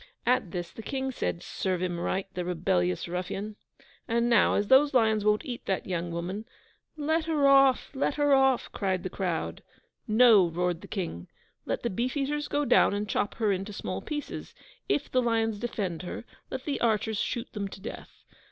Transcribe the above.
At this, the King said, 'Serve him right, the rebellious ruffian! And now, as those lions won't eat that young woman ' 'Let her off! let her off!' cried the crowd. 'NO!' roared the King. 'Let the beef eaters go down and chop her into small pieces. If the lions defend her, let the archers shoot them to death.